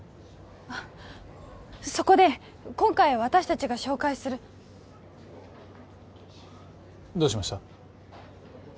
そこで今回私達が紹介するどうしました？